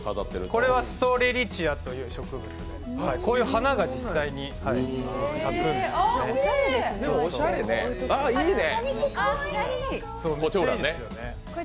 これはストレリチアという植物で、こういう花が実際に咲くんですね。